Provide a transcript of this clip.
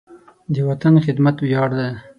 د وطن خدمت ویاړ دی.